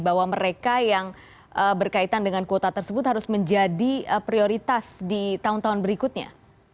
bahwa mereka yang berkaitan dengan kuota tersebut harus menjadi prioritas di tahun tahun berikutnya